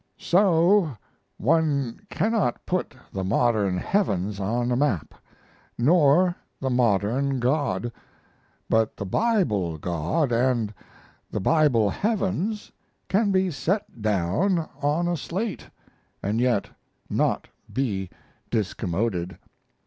] So one cannot put the modern heavens on a map, nor the modern God; but the Bible God and the Bible heavens can be set down on a slate and yet not be discommoded....